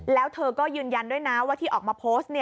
แล้วเธอก็ยืนยันด้วยนะว่าที่ออกมาโพสต์